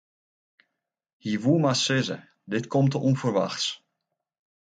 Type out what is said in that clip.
Hy woe mar sizze: dit komt te ûnferwachts.